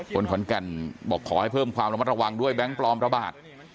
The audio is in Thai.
คนขอนแก่นบอกขอให้เพิ่มความระมัดระวังด้วยแบงค์ปลอมระบาด